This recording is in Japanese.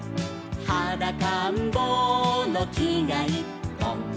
「はだかんぼうのきがいっぽん」